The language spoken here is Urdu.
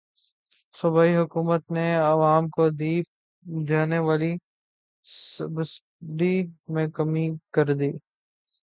صوبائی حکومتوں نے عوام کو دی جانے والی سبسڈی میں کمی کردی